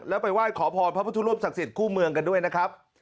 แล้วไปไหว้ขอพรพระพุทธรูปศักดิ์คู่เมืองกันด้วยนะครับ